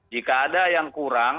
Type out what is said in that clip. jika ada yang kurang